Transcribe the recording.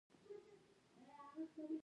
سون توکي محدود دي.